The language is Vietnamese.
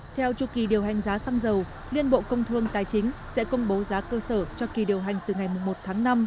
theo chủ kỳ điều hành giá xăng dầu liên bộ công thương tài chính sẽ công bố giá cơ sở cho kỳ điều hành từ ngày một tháng năm